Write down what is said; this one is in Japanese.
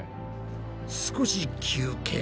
少し休憩。